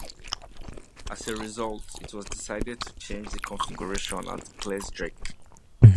As a result, it was decided to change the configuration at "Gleisdreieck".